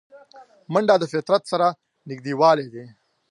منډه د فطرت سره نږدېوالی دی